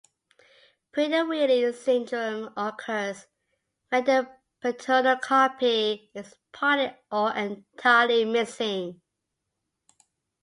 Prader-Willi syndrome occurs when the paternal copy is partly or entirely missing.